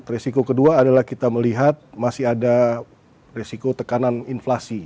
resiko kedua adalah kita melihat masih ada resiko tekanan inflasi